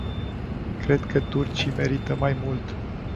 Cred că turcii merită mai mult.